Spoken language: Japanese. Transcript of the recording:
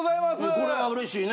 これはうれしいね。